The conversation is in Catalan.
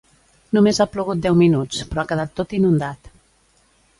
Només ha plogut deu minuts, però ha quedat tot inundat.